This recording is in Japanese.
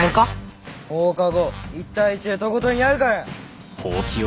放課後１対１でとことんやるからよ。